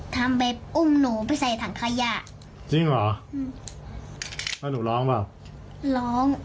ทำไปอุ้มหนูไปใส่ถังขยะจริงเหรออืมแล้วหนูร้องเปล่าร้อง